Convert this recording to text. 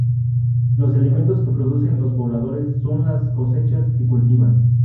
Los elementos que producen los pobladores son las cosechas que cultivan.